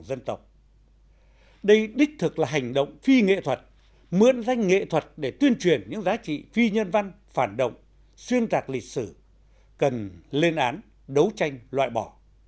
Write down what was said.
đây đích thực là hành động phi nghệ thuật mượn danh nghệ thuật để tuyên truyền những giá trị phi nhân văn phản động xuyên tạc lịch sử cần lên án đấu tranh loại bỏ